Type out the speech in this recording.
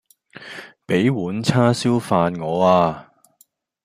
比碗叉燒飯我呀